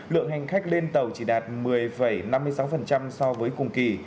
lượng hành khách lên tàu chỉ đạt một mươi năm mươi sáu so với cùng kỳ